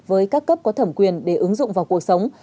với các cấp có thẩm quyền để ứng dụng vào cuộc sống